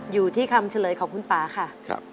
อยู่ที่คำเฉลยของคุณป่าค่ะ